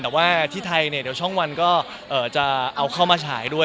แต่ว่าที่ไทยเนี่ยเดี๋ยวช่องวันก็จะเอาเข้ามาฉายด้วย